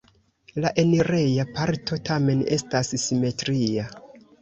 La enireja parto tamen estas simetria.